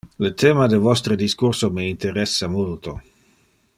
Le thema de vostre discurso me interessa multo.